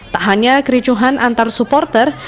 tak hanya kericuhan antar supporter